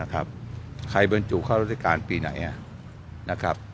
ใครบรรจุเข้ารัฐการณ์ปีไหน